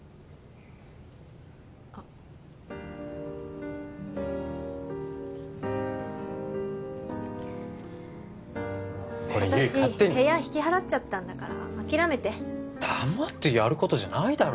あっねえ悠依勝手に私部屋引き払っちゃったんだから諦めて黙ってやることじゃないだろ